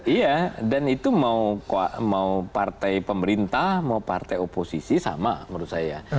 iya dan itu mau partai pemerintah mau partai oposisi sama menurut saya